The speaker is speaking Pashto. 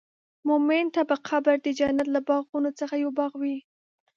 مؤمن ته به قبر د جنت له باغونو څخه یو باغ وي.